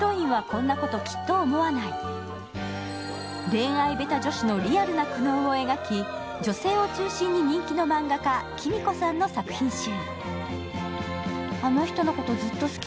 恋愛下手女子のリアルな苦悩を描き、女性を中心に人気の漫画家、黄身子さんの作品集。